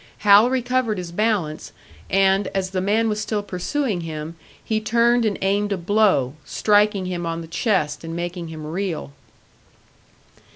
Hal recovered his balance, and, as the man was still pursuing him, he turned and aimed a blow, striking him on the chest and making him reel.